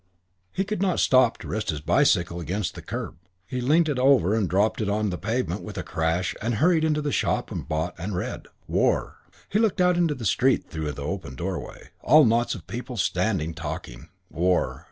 He could not stop to rest his bicycle against the curb. He leant it over and dropped it on the pavement with a crash and hurried into the shop and bought and read. War.... He looked out into the street through the open doorway. All those knots of people standing talking. War....